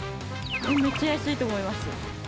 めっちゃ安いと思います。